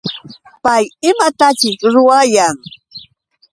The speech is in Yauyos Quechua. ¿Pay imataćhik ruwayan?